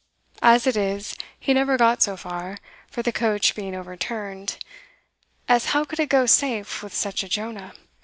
As it is, he never got so far, for the coach being overturned as how could it go safe with such a Jonah?